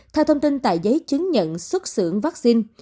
theo thông tin tại giấy chứng nhận xuất xưởng vaccine